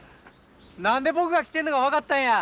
何で僕が来てるのが分かったんや？